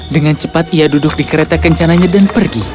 dengan cepat ia duduk di kereta kencananya dan pergi